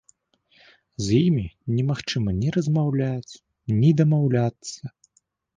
З імі немагчыма ні размаўляць, ні дамаўляцца.